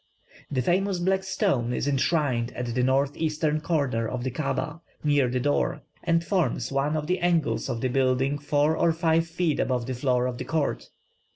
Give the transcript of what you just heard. The famous 'black stone' is enshrined at the north eastern corner of the Kaaba, near the door, and forms one of the angles of the building four or five feet above the floor of the court.